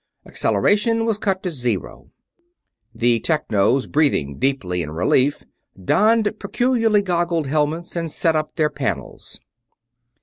Acceleration was cut to zero. The Technos, breathing deeply in relief, donned peculiarly goggled helmets and set up their panels.